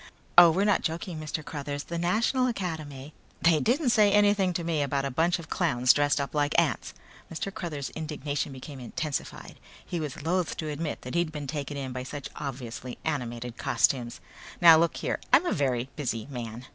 "Oh, we're not joking, Mr. Cruthers. The National Academy " "They didn't say anything to me about a bunch of clowns dressed up like ants!" Mr. Cruthers' indignation became intensified. He was loathe to admit that he'd been taken in by such obviously animated costumes. "Now look here, I'm a very busy man."